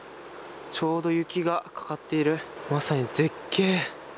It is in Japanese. ちょうど雪がかかっているまさに絶景。